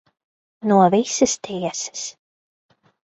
No visas tiesas.